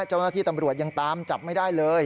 เจ้าหน้าที่ตำรวจยังตามจับไม่ได้เลย